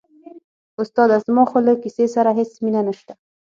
استاده زما خو له کیسې سره هېڅ مینه نشته.